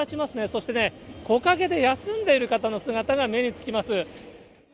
そしてね、木陰で休んでいる方の姿が目につきます。